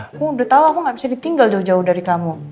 aku udah tahu aku gak bisa ditinggal jauh jauh dari kamu